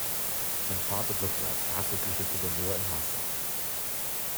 Sein Vater wirkte als herzoglicher Gouverneur in Massa.